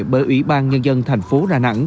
bởi ủy ban nhân dân thành phố đà nẵng